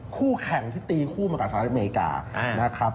คู่แข่งที่ตีผู้มากับสหรัฐอเมริกา